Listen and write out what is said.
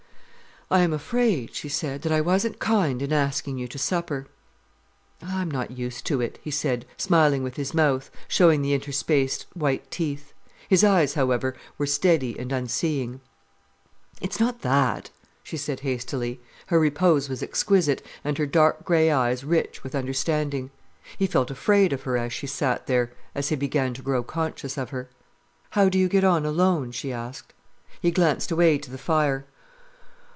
"I am afraid," she said, "that I wasn't kind in asking you to supper." "I'm not used to it," he said, smiling with his mouth, showing the interspaced white teeth. His eyes, however, were steady and unseeing. "It's not that," she said hastily. Her repose was exquisite and her dark grey eyes rich with understanding. He felt afraid of her as she sat there, as he began to grow conscious of her. "How do you get on alone?" she asked. He glanced away to the fire.